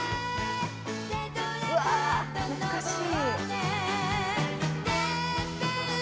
うわ懐かしい。